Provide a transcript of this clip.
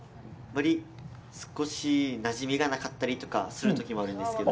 少しなじみがなかったりとかするときもあるんですけど。